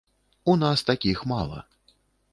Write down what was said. У нас такіх мала.